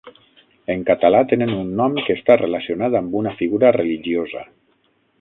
En català tenen un nom que està relacionat amb una figura religiosa.